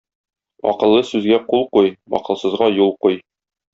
Акыллы сүзгә кул куй, акылсызга юл куй.